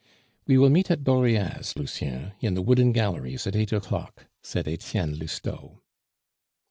"We will meet at Dauriat's, Lucien, in the Wooden Galleries at eight o'clock," said Etienne Lousteau.